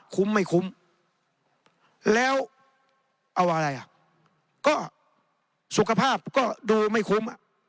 คุ้มไม่คุ้มแล้วเอาอะไรอ่ะก็สุขภาพก็ดูไม่คุ้ม